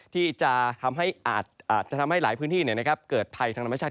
ที่จะทำให้หลายพื้นที่เกิดไทยทางน้ำชาติ